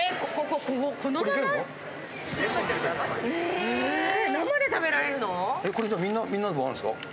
これみんなの分あるんですか？